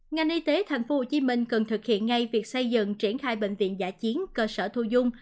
ngành y tế tp hcm cần thực hiện ngay việc xây dựng triển khai bệnh viện giả chiến cơ sở thu dung